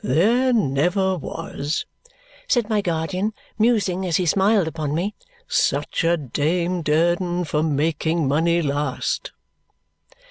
"There never was," said my guardian, musing as he smiled upon me, "such a Dame Durden for making money last."